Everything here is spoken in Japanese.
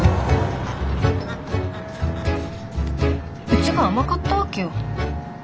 うちが甘かったわけよ。